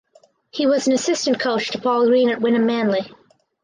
He was an assistant coach to Paul Green at Wynnum Manly.